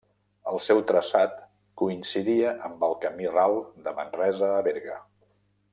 El seu traçat coincidia amb el camí Ral de Manresa a Berga.